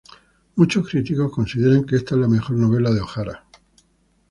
Muchos críticos consideran que esta es la mejor novela de O'Hara.